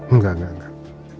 enggak enggak enggak